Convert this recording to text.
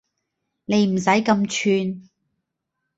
你唔使咁串